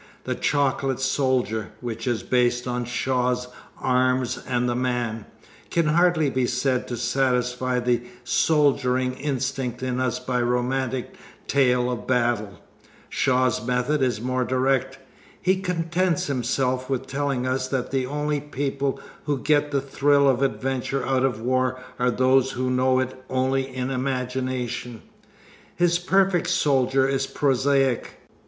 The Chocolate Soldier, which is based on Shaw's Arms and the Man, can hardly be said to satisfy the soldiering instinct in us by a romantic tale of battle. Shaw's method is more direct. He contents himself with telling us that the only people who do get the thrill of adventure out of war are those who know it only in imagination. His perfect soldier is prosaic.